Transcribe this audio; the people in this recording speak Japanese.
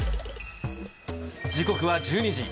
時刻は１２時。